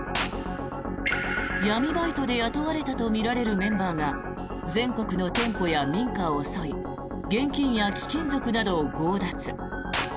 闇バイトで雇われたとみられるメンバーが全国の店舗や民家を襲い現金や貴金属などを強奪。